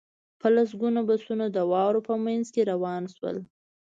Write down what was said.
په لسګونه بسونه د واورو په منځ کې روان شول